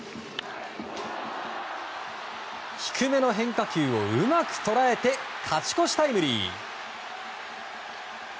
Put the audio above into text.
低めの変化球をうまく捉えて勝ち越しタイムリー！